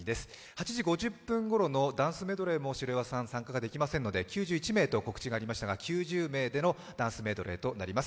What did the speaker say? ８時５０分ごろのダンスメドレーには参加できませんので９１名と告知がありましたが９０名でのダンスメドレーとなります。